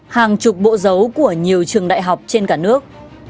hàng chục bộ dấu của nhiều trường đại học trên cả nước